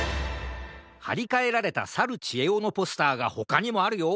はりかえられたさるちえおのポスターがほかにもあるよ。